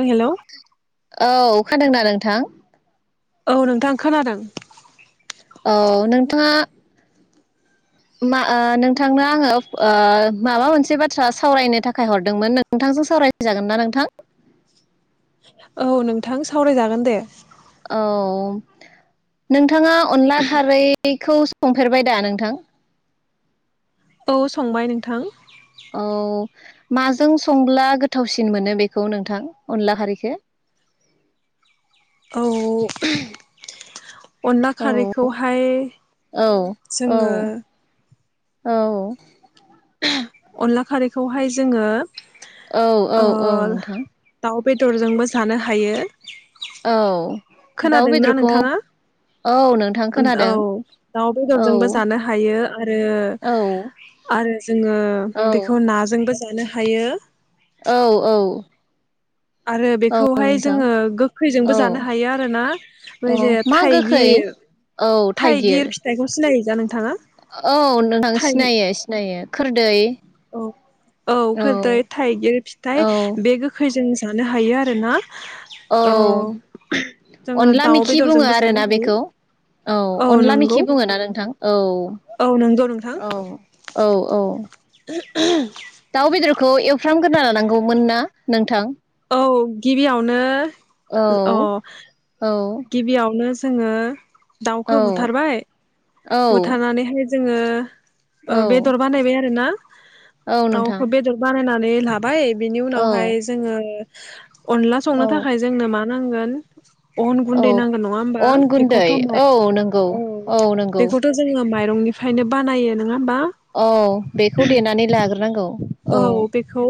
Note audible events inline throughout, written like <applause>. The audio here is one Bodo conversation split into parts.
हेलौ औ खोनादोंना नोंथां औ नोंथां खोनादों। औ नोंथाङा मा ओ नोंथांनो आङो ओ माबा मोनसे बाथ्रा सावरायनो थाखाय हरदोंमोन नोंथांजों सावराय जागोन ना नोंथां? औ नोंथां सावरायजागोन दे। औ नों थाङा अनला खारैखौ सं फेरबाय दा नोंथां? औ संबाय नोंथां औ माजों संब्ला गोथावसिन मोनो बेखौ नोंथां अनला खारैखो? औ अनला औ खारैखौहाय औ औ जोङो औ अनला खारैखौहाय जोङो औ औ ओ औ नोंथां दाउ बेदरजोंबो जानो हायो। औ दाउ खोनादोंना बेदरखौ नोंथाङा औ नोंथां औ खोनादों दाउ औ बेदरजोंबो जानो हायो आरो औ आरो जोंङो औ बेखौ नाजोंबो जानो हायो। औ औ आरो औ बेखौहाय नोंथां जोंङो औ गोखैजोंबो जानो हायो आरोना औ बे जे मा गोखै थाइगिर थाइगिर फिथाइखौ सिनायो? दा नोंथाङा औ नोंथां थाइ सिनायो सिनायो। खोरदै औ औ खोरदै थाइगिर फिथाइ औ बे गोखैजों जानो हायो आरो ना औ जोङो अनला दाउ मेखि बुङो बेदरजोंबो जानो आरोना हायो बेखौ औ अनला मेखि बुङोना नोंथां औ औ नंगौ नोंथां औ औ औ। <unintelligible> दाउ बेदरखौ एवफ्रामग्रोना लानांगौमोना नोंथां। औ गिबियावनो औ औ। गिबिआवनो जोङो औ दाउखौ बुथारबाय औ बुथारनानैहाय जोंङो औ ओ बेदर बानायबाय आरो ना औ नोंथां दाउखौ बेदर बानायनानै बे लाब ओमफ्राय बिनि औ उनावहाय जोङो अनला संनो औ थाखाय जोंनो मा नांगोन? अन औ गुन्दै नांगोन नङा होमबा? अन गुन्दै बेखौथ' माइ औ नंगौ औ बेखौथ जोंङो माइरंनिफ्रायनो बानायो नोंङा बा औ बेखौ देनानै लाग्रोनांगौ औ बेखौ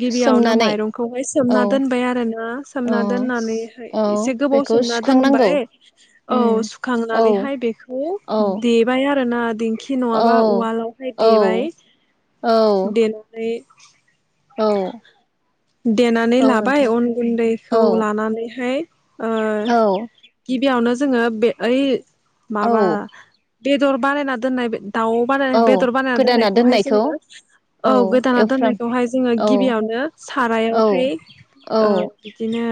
गिबियावनो सोमनानै माइरंखौहाय औ सोमना दोनबाय आरोना औ सोमना दोननानैहाय औ एसे गोबाव बेखौ सोमना सुखांनांगौ दोनबाय औ उम औ सुखांनानैहाय बेखौ औ देबाया <unintelligible> खि औ नङाबा उवालावहाय औ देबाय औ देनानैनानै औ। देनानै औ लाबाय नोंथां अन औ गुन्दैखौ लानानैहाय ओ औ गिब बेयावनो जोङो बे ओइ औ माबा बेदर बानायना दोननाय बे दाउ बानाय औ बेदर बानायना गोदाना दोननायखौहाय दोननायखौ जोङो औ गोदाना एवफ्राम दोननायखौहाय जोङो औ गिबियावनो औ सारायावहाय औ बिदिनो।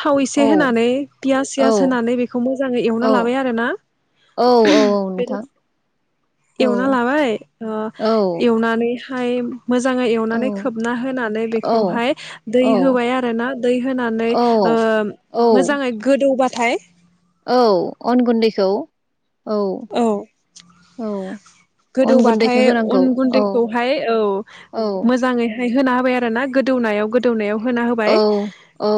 थाव एसे औ होनानै पियास औ सियास होनानै बेखौ मोजाङै एवना औ लाबाय आरोना औ औ नोंथां <unintelligible> औ एवना लाबाय ओ औ एवनानै ओमफ्राय मोजांङै एवनानै खोबना होनानै हाय आरो औ दै औ होबाय आरो ना दै औ औ बाथाय औ अन गुन्दैखौ औ औ अन गोदौबाथाय गुन्दैखौ होनांगौ अन औ गुन्दैखौहाय औ औ मोजाङै होय होना आरो ना गोदौनायाव गोदौनायाव होना होबाय औ औ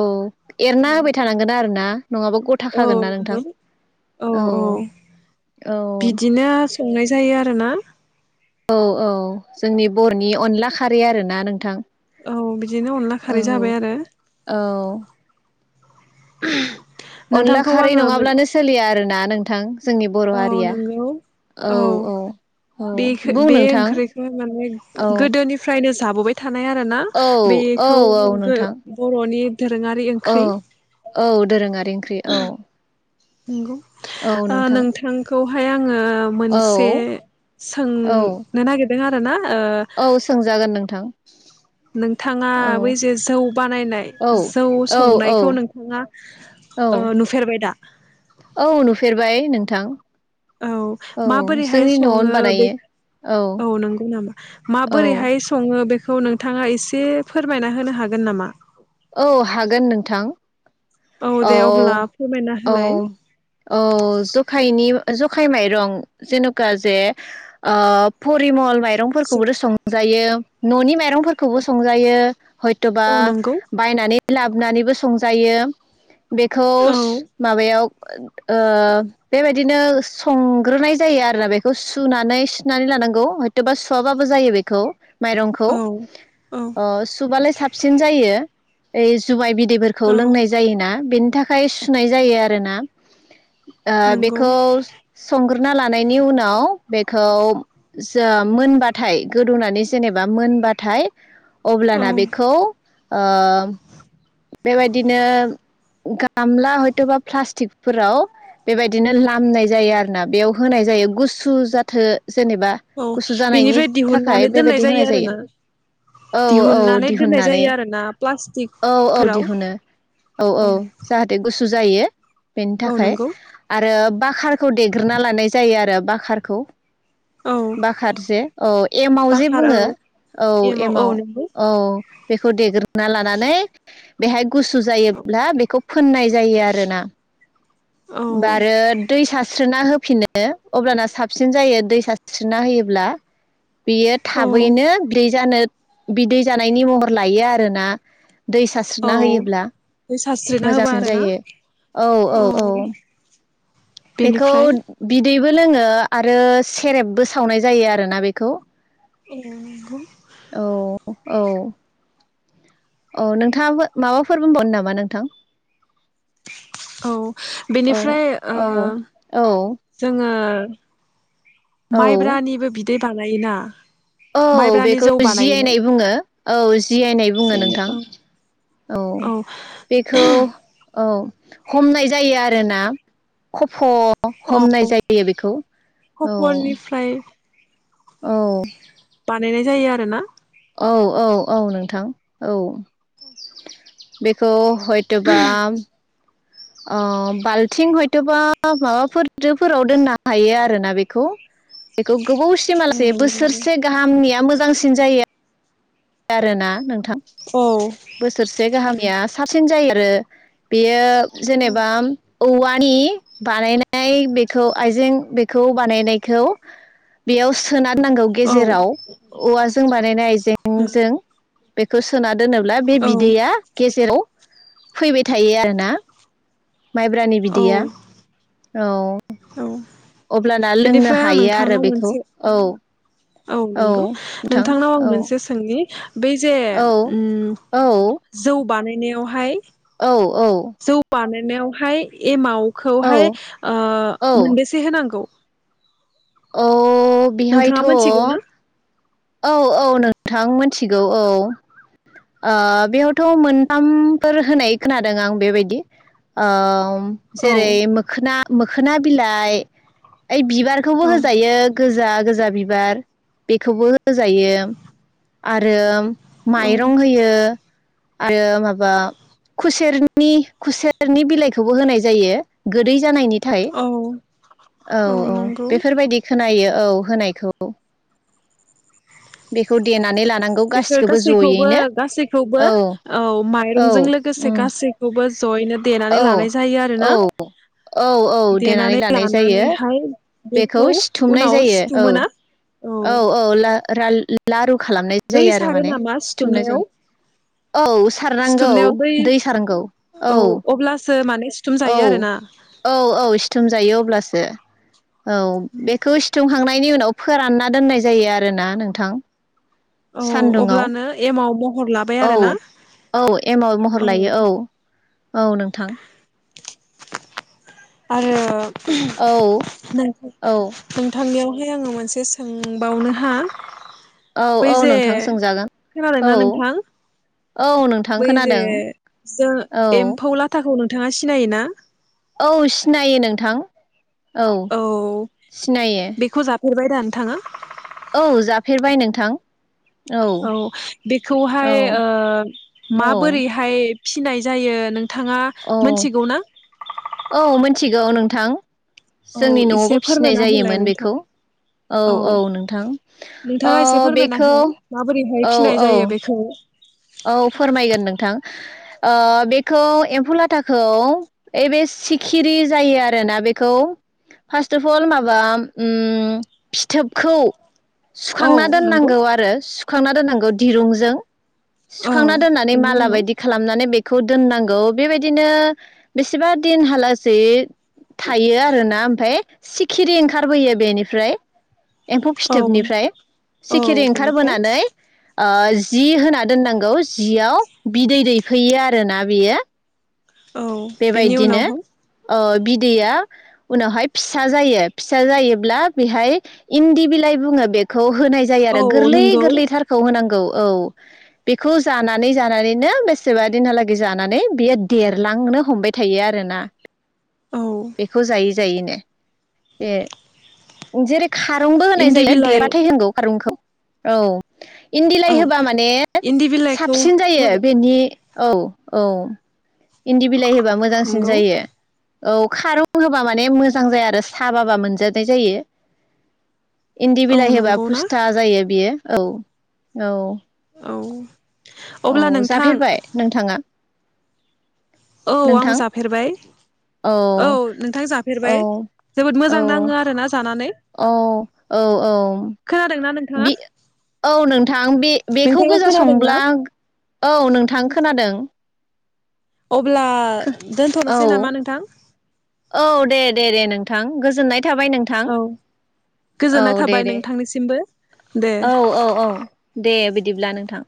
एरना होबाय थानांगोन आरो ना? नङाबा औ गथाखागोननाना नंगौ नोंथां औ औ बिदिनो संनाय जायो आरोना औ औ जोंनि बर'नि अनला खारै आरोना नोंथां। औ बिदिनो अनला औ खारै जाबाय आरो। औ <inaudible> अनला नोंथांखौ खारै आङो नङाब्लानो सोलिया आरो ना नोंथां? जोंनि बर' औ हारिया नोंगौ औ औ बे बुं बे नोंथां ओंख्रिखौ माने औ गोदोनिफ्रायनो जाबोबाय था थानाय आरो ना औ औ बेखौ औ नोंथां बर'नि दोरोङारि औ ओंख्रि औ दोरोङारि ओ ख्रि औ। नंगौ औ ओ नोंथां नोंथांखौ ओमफ्राय आङो मोनसे औ औ सोंनो नागेर दों आरो ना औ सोंजागोन नोंथां। नोंथाङा औ बै जे जौ बानायनाय औ जौ औ संनायखौ औ नोंथाङा ओ औ नुफेरबाय दा? औ नुफेरबाय नोंथां। औ माबोरैहाय जोंनि न'आवनो सङो बे बानायो औ नंगौ नामा औ माबोरैहाय सङो बे खौ नोंथाङा एसे फोरमायना होनो हागोन नामा? औ हागोन नोंथां औ दे अब्ला फोरमायना औ होलाय औ जखायनि जखाइ माइरं जेनखा जे ओ परिमल माइरंफोरखौबो संजायो। न'नि मा रंफोरखौबो संजायो हयथबा औ नंगौ बायनानै लाबोनानैबो संजायो। बेखौ औ माबायाव ओ बेबायदिनो संग्रोनाय जायो आरोना बेखौ सुनानै सिनानै लानांगौ हयथ'बा सुवाबाबो जायो बेखौ। माइरंखौ औ औ ओ सुबालाय साबसिन जायो। यै जुमाइ बि दैफोरखौ औ लोंनाय जायोना बेनि थाखाय सुनाय जायो आरोना ओ नंगौ बेखौ संग्रो हुना लानायनि उनाव बेखौ जो मोनबाथाय गोदौनानै जेनेबा मोनबाथाय औ अब्लाना बेखौ ओ बेबायदिनो गामला हयथबा प्लास्टिकफोराव बेबायदिनो लामनाय जायो आरोना बेयाव होनाय जायो गुसु जाथो जेनेबा औ गुसु जानायनि बिनिफ्राय थाखाय दिहुननानै दोननाय बेबायदि होनाय जायो आरोना औ औ दिहुननानै दोननाय दिहुननानै जायो आरोना प्लास्टिक औ औ दिहुनो औ औ जाहाथे गु गुसु जायो बेनि औ थाखाय नंगौ आरो बाकारखौ देग्रोना लानाय जायो आरो बाकारखौ औ बाखारारजे औ एमाव जे बाखार औ बुङो औ औ एमाव नंगौ औ बेखौ देग्रोनना लानानै बेहाय गुसु जायोब्ला बेखौ फ फोननाय जायो आरोना औ बा आरो दै सा स्रिना होफिनो अब्लाना साबसिन जायो दैसा सास्रिना होयोब्ला। बेयो औ थाबैनो ब्रै जानो बिदै जानायनि महर लायो आरोना। दै औ सारास्रिना होयोब्ला दै सारस्रिना होबा मोजांसिन आरोना जायो औ औ औ बेखौ बेनिफ्राय बि दैबो लोङो आरो सेरेबबो सावनाय जायो आरोना बेखौ। औ <inaudible> औ। औ नोंथाङा माबाफोर बुंबावनो नामा नोंथां? औ औ बेनिफ्राय ओ औ औ जोङो <inaudible> औ माइब्रानिबो बि दै बानायोना? औ माइब्रानि बेखौ जौ बानायोना जिआइनाय बुङो। औ जिआयनाय बुङो जेनो नोंथां औ बेखौ औ हमनाय जायो आरोना खफ औ हमनाय जायो बेखौ औ खफरनिफ्राय औ बानायनाय जायो आरोना औ औ औ नोंथां औ बेखौ हयथ' बा ओ बाल्थिं हयथबा माबाफोरफोराव दोननो हायो आरोना बेखौ बेखौ गोबावसिमालासे बोसोरसे गाहामनिया मो मोजांसिन जायो। आरोना नोंथां। औ बोसोरसे गाहामया साबसिन जायो आरो बेयो जेनेबा औवानि बानायनाय बेखौ आइजें बेखौ बानायनायखौ बेयाव सोनारनांगौ औ गेजेराव। औवाजों बानायनाय जों बेखौ सोना दोनोब्ला बे औ बिदैया गेजेराव फैबाय थायो आरोना। माइब्रानि औ बिदैया औ। औ अब्लाना लोंनो बेनिफ्राय आं हायो आरो नोंथांनाव बेखौ मोनसे औ औ नंगौ नोंथां नोंथांनाव आं औ मोनसे सोंनि बै जे औ उम औ जौ। बानायनायावहाय जौ बानाय नायावहाय एमाव औ खौहाय ओ मोनबेसे होनांगौ अ बिहायथ। नोंथाङा मोनथिगौ ना? औ औ नोंथां मोनथिगौ औ बेयावथ' मोनथामफोर होनाय खोनादों आं बेबायदि औ जेरै मोखोना मोखोना बिलाइ ओइ बिबार खौबो औ होजायो गोजा गोज फुजा बिबार बेखौबो होजायो आरो औ माइरं होयो आरो माबा खुसेरनि खुसेरनि बिलाइखौबो होनाय जायो गोदै जानायनि। थाय औ औ औ। बेफोरबायदि खोनायो। औ होनायखौ बेखौ देनानै लानांगौ बेफोर गासिखौबो गासैखौबो जयैनो गासैखौबो औ औ औ माइरंजों लोगोसे उम गासैखौबो। जयैनो देनानै औ लानाय जायो आरोना औ औ औ देनानै लानाय जायो लानानैहाय। बेखौ सिथुमनाय उनाव जायो औ सिथुमोना औ औ ला <unintelligible> खालामनाय दै जायो आरो सारो माने नामा सिथुमनाय सिथुमनायाव जायो। औ सारनांगौ दै सारनांगौ औ अब्लासो माने सिथुम औ जायो आरोना औ औ सिथुम जायो अब्लासो। <unintelligible> औ बेखौ सिथुमखांनाय। नि उनाव फोरानना दोननाय जायो आरोना नोंथां। औ सान्दुंआव अब्लानो एमाव महर लाबाय औ आरोना औ एमाव औ महर लायो औ औ नोंथां। आरो। औ नों औ नोंथांनियाव। <unintelligible> आङो मोनसे सोंबावनो हा। औ बै औ जे नोंथां सोंजागोन औ खोनादोंना नोंथां औ नोंथां बै जे खोनादों जों औ एम्फौ लाथाखौ नों नोंथाङा सिनायोना। औ सिनायो नोंथां। औ सिनायो। फेर बायदा नोथांआ। औ जाफेरबाय नोंथां। औ औ बेखौहाय ओ औ माबोरैहाय फिनाय जायो नों औ औ मिथिगौ नों थां जोंनि औ एसे नआवबो फिसिनाय फोरमायना होलाय जायोमोन नोंथां बेखौ औ औ नोंथां ओ नोंथाङा एसे फोरमायना बेखौ हो माबोरैहाय औ फिनाय औ। जायो बेखौ औ फोरमायगोन नोंथां ओ बेखौ एम्फौ लाथाखौ ओइ बे सिखिरि जायो आरोना बेखौ फार्स्ट अफ अल माबा फिथोबखौ। औ सुखांना नंगौ दोननांगौ आरो हुखांना दोननांगौ दिरुंजों। औ सुखांना दोननानै बेनि माला उनाव बायदि खालामनानै बे खौ दोननांगौ बेबायदिनो बेसेबा दिनहालासेै थायो आरोना ओमफाय। सिखिरि ओंखारबोयो बेनिफ्राय एम्फौ औ फिथोबनिफ्राय औ सिखिरि बेनिफ्राय ओंखारबोनानै ओ जि होना दोननांगौ जियाव बिदै दैफैयो आरोना बेयो। औ बेनि बेबायदिनो उनावहाय ओ बिदैया उनावहाय फिसा जायो फिसा जायोब्ला बेहाय इन्दि बिलाइ बुङो बेखौ होनाय जायो आरो औ गोरलै नंगौ गोरलैथारखौ होनांगौ। औ बेखौ जानानै जानानैनो बेसेबा दिनहालागै जानानै बियो देरलांनो हमबाय थायो आरोना। औ बेखौ जायो। जायो नो ए जेरै खारुनबो होनाय इन्दि जायो बिलाइ देरबाथाय होनांगौ खारुनखौ औ औ इन्दिलाइ होबा माने इन्दि बिलाइखौ साबसिन जायो होबा बेनि औ औ इन्दि मोजांसिन नंगौ जायो। औ खारौ होबा माने मोजां जाया आरो साबाबा मोनजानाय जायो। इन्दि औ बिलाइ होबा नंगौ ना फुस्था जायो बियो। औ औ औ औ अब्ला नोंथां जाफेरबाय नोंथाङा? औ आं नोंथां जाफेरबाय औ नोंथां औ जाफेरबाय जोबोद मोजां औ नाङो आरोना जानानै औ औ औ। खोनादोंना नोंथाङा बे औ नोंथां बे बेखौ नोंथाङा गोजा खोनादोंना संब्ला औ नोंथां खोनादों। अब्ला खो औ दोनथनोसै नामा नोंथां? थां गोजोननाय थाबाय नोंथां औ गोजोननाय औ दे थाबाय दे नोंथांनिसिमबो दे औ औ औ दे बिदिब्ला नोंथां।